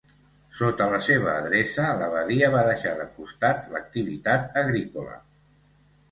Sota la seva adreça, l'abadia va deixar de costat l'activitat agrícola.